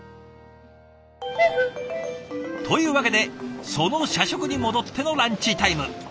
というわけでその社食に戻ってのランチタイム。